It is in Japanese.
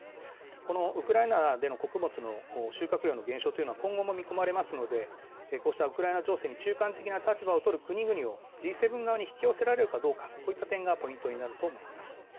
このウクライナでの穀物の収穫量の減少というのは今後も見込まれますのでこうしたウクライナ情勢に中間的な立場を取る国々Ｇ７側に引き寄せられるかどうかこういった点がポイントになると思います。